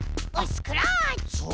スクラッチ！